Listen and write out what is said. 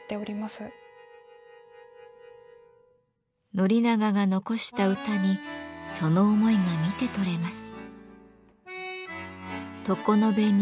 宣長が残した歌にその思いが見て取れます。